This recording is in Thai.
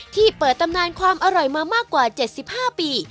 ที่เปิดตำนานความอร่อยมามากกว่า๗๕ปี